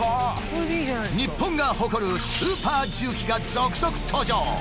日本が誇るスーパー重機が続々登場！